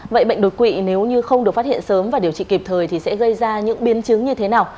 vậy bệnh đột quỵ nếu như không được phát hiện sớm và điều trị kịp thời thì sẽ gây ra những biến chứng như thế nào